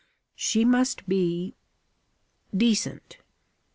She must be decent.